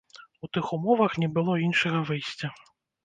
У тых умовах не было іншага выйсця.